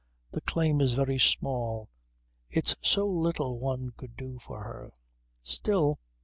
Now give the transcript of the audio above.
The claim is very small. It's so little one could do for her. Still